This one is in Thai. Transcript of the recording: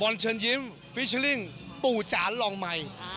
บรรเชิญยิ้มฟิชเชอริ้งปูจานลองใหม่